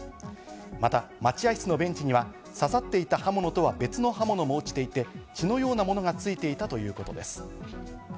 また待合室のベンチには刺さっていた刃物とは別の刃物も落ちていて、血のようなものがついていたということです。